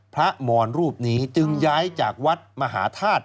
พระมรรูปนี้จึงย้ายจากวัดมหาธาตุ